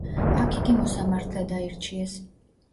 აქ იგი მოსამართლედ აირჩიეს.